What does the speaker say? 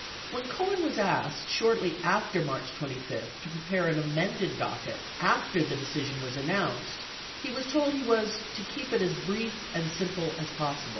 16 When Cohen was asked shortly after March 25 to prepare an amended docket after the decision was announced, he was told he was "to keep it as brief and simple as possible."